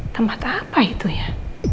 tempat apa itu ya